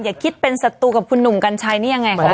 อย่าคิดเป็นสัตว์ตูกับคุณหนุ่มกันชัยนี่ยังไงครับ